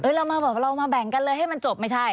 เรามาบอกเรามาแบ่งกันเลยให้มันจบไม่ใช่